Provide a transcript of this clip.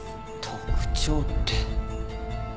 特徴って。